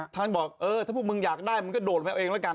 ท่านบอกเออถ้าพวกมึงอยากได้มึงก็โดดไปเอาเองแล้วกัน